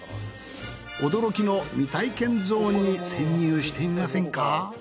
驚きの未体験ゾーンに潜入してみませんか？